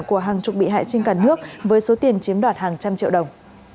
của hàng chục bị hại trên cả nước với số tiền chiếm đoạt hàng trăm triệu đồng